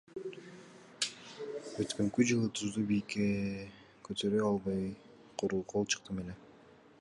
Өткөнкү жылы тузду бийикке көтөрө албай, куру кол чыктым эле.